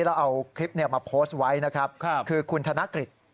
แล้วเอาคลิปมาโพสต์ไว้นะครับคือคุณธนกฤษ